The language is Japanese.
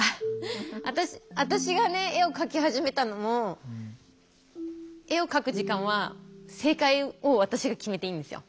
私がね絵を描き始めたのも絵を描く時間は正解を私が決めていいんですよ。